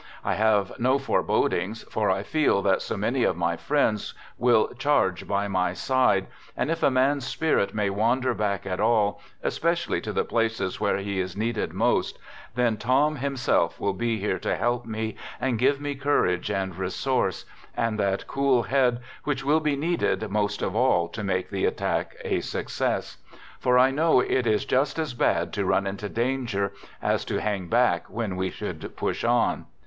I have no forebodings, for I feel that so many of my friends will charge by my side, and if a man's spirit may wander back at all, especially to the places where he is needed most, then Tom himself will be here to help me, and give me courage and resource and that cool head which will be needed most of all to make the attack a success. For I know it is just as bad to run into danger as to hang back when we should push on.